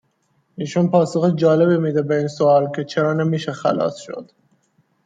ایشون پاسخ جالبی میده به این سوال که چرا نمیشه خَلاص شد